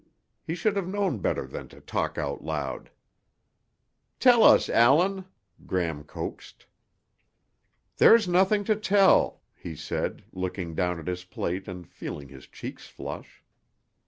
He should have known better than to talk out loud. "Tell us, Allan," Gram coaxed. "There's nothing to tell," he said, looking down at his plate and feeling his cheeks flush.